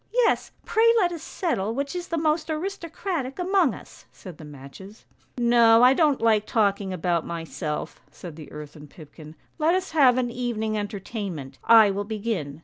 "' Yes, pray let us settle which is the most aristocratic among us,' said the matches. "' No, I don't like talking about myself,' said the earthen pipkin; 'let us have an evening entertainment! I will begin.